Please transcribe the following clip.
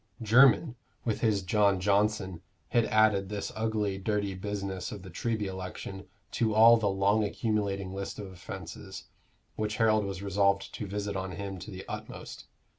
Jermyn, with his John Johnson, had added this ugly, dirty business of the Treby election to all the long accumulating list of offences, which Harold was resolved to visit on him to the utmost.